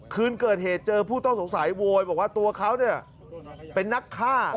คืนเกิดเหตุเจอผู้ต้องสงสัยโวยบอกว่าตัวเขาเป็นนักฆ่า